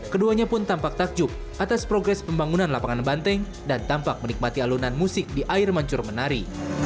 keduanya pun tampak takjub atas progres pembangunan lapangan banteng dan tampak menikmati alunan musik di air mancur menari